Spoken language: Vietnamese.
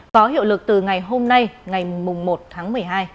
có hiệu lực từ ngày hôm nay ngày một tháng một mươi hai